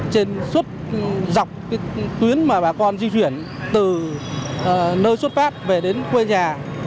trên suốt dọc cái tuyến mà bà con di chuyển từ nơi xuất phát về đến quê nhà